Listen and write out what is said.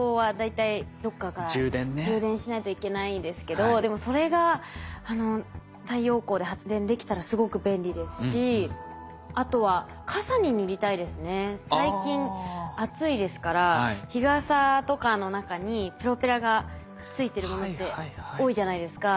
充電しないといけないですけどでもそれが太陽光で発電できたらすごく便利ですしあとは最近暑いですから日傘とかの中にプロペラがついてるものって多いじゃないですか。